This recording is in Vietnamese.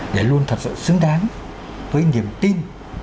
để luôn thật sự xứng đáng với niềm tin